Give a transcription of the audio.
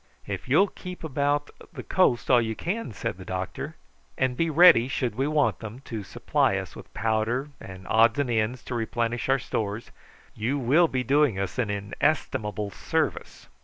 "If you will keep about the coast all you can," said the doctor, "and be ready, should we want them, to supply us with powder and odds and ends to replenish our stores, you will be doing us inestimable service.